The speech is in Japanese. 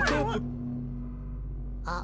あ。